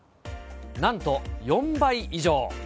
なんと４倍以上。